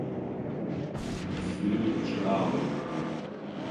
Псыри чъыӏагъэ.